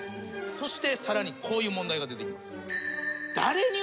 そしてさらにこういう問題が出てきます。